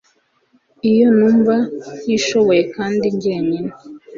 iyo numva ntishoboye kandi njyenyine